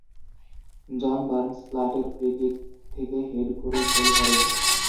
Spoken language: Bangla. জন বার্নস প্লাটের ফ্রি কিক থেকে হেড করে গোল করেন।